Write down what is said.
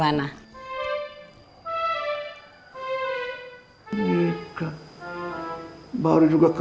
pada mungkin sama sama awak